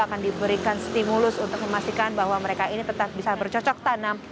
akan diberikan stimulus untuk memastikan bahwa mereka ini tetap bisa bercocok tanam